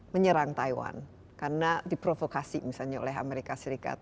menyerang taiwan karena diprovokasi misalnya oleh amerika serikat